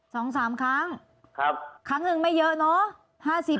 สองสามครั้งครั้งหนึ่งไม่เยอะไหม